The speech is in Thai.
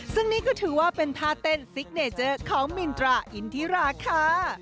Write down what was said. ซึ่งนี่ก็ถือว่าเป็นท่าเต้นซิกเนเจอร์ของมินตราอินทิราค่ะ